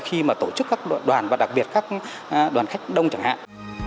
khi mà tổ chức các đoàn và đặc biệt các đoàn khách đông chẳng hạn